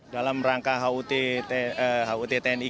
dalam rangka hut tni